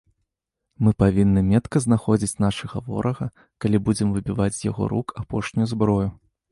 Мы павінны метка знаходзіць нашага ворага, калі будзем выбіваць з яго рук апошнюю зброю.